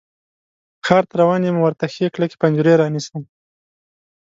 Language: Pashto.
ښار ته روان یم، ورته ښې کلکې پنجرې رانیسم